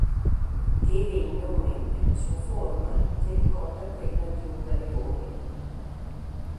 Deve il nome alla sua forma che ricorda quella di un galeone.